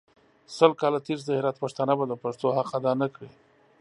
سل کاله تېر سي د هرات پښتانه به د پښتو حق اداء نکړي.